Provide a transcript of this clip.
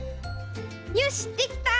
よしできた！